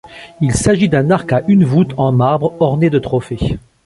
Il s'agit d'un arc à une voûte en marbre, orné de trophées.